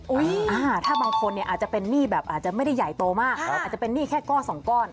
ถ้าบางคนเนี่ยอาจจะเป็นหนี้แบบอาจจะไม่ได้ใหญ่โตมากอาจจะเป็นหนี้แค่ก้อนสองก้อน